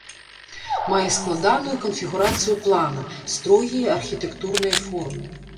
Мае складаную канфігурацыю плана, строгія архітэктурныя формы.